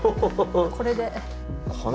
これで。